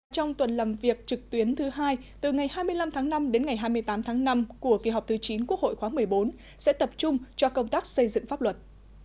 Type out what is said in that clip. trong tuần làm việc trực tuyến thứ hai từ ngày hai mươi năm tháng năm đến ngày hai mươi tám tháng năm của kỳ họp thứ chín quốc hội khóa một mươi bốn sẽ tập trung cho công tác xây dựng pháp luật